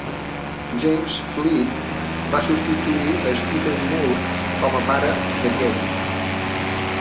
James Fleet va substituir a Stephen Moore com a pare de Kevin.